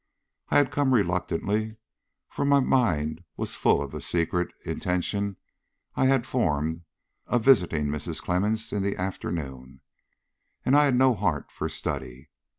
I had come reluctantly, for my mind was full of the secret intention I had formed of visiting Mrs. Clemmens in the afternoon, and I had no heart for study.